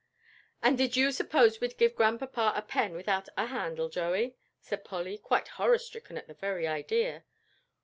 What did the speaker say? "And did you suppose we'd give Grandpapa a pen without a handle, Joey?" said Polly, quite horror stricken at the very idea.